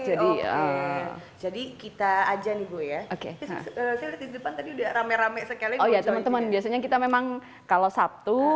jadi jadi kita aja nih gue ya oke rame rame oh ya teman teman biasanya kita memang kalau sabtu